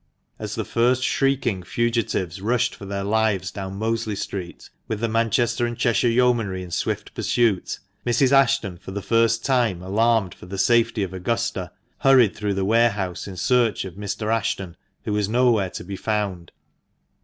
As the first shrieking fugitives rushed for their lives down Mosley Street, with the Manchester and Cheshire Yeomanry in swift pursuit, Mrs. Ashton, for the first time alarmed for the safety of Augusta, hurried through the warehouse in search of Mr Ashton, who was nowhere to be found.